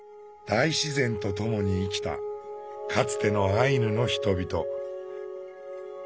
大自然とともに生きたかつてのアイヌの人々。